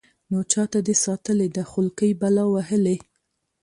نو چاته دې ساتلې ده خولكۍ بلا وهلې.